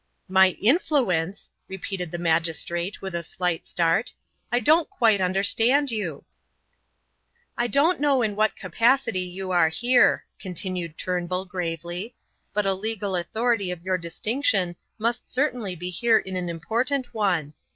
"My influence!" repeated the magistrate, with a slight start. "I don't quite understand you." "I don't know in what capacity you are here," continued Turnbull, gravely, "but a legal authority of your distinction must certainly be here in an important one.